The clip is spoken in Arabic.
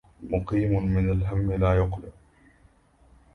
مقيم من الهم لا يقلع